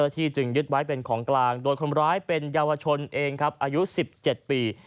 ที่จึงยึดไว้เป็นของกลางโดยคนร้ายเป็นเยาวชนเองครับอายุ๑๗ปี